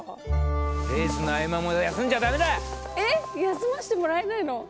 休ましてもらえないの？